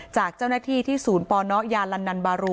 จากเจ้าหน้าที่ที่ศูนย์ปนยาลันนันบารู